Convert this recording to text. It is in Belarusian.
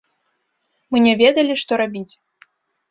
Мы не ведалі, што рабіць.